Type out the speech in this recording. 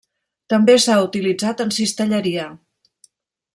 També s'ha utilitzat en cistelleria.